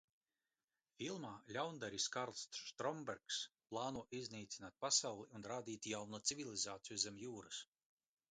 Filmā ļaundaris Karls Štrombergs plāno iznīcināt pasauli un radīt jaunu civilizāciju zem jūras.